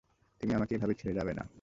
তুমি আমাকে এভাবে ছেড়ে যাবে না।